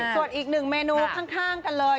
ส่วนอีกหนึ่งเมนูข้างกันเลย